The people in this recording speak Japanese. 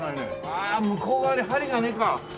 ああっ向こう側に針がねえか。